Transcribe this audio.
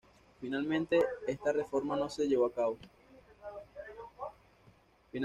Finalmente, esta reforma no se llevó a cabo.